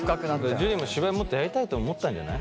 樹も芝居もっとやりたいと思ったんじゃない？